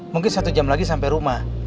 mungkin satu jam lagi sampai rumah